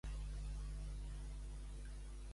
Crambidae és un gènere d'arnes de la família Apogeshna.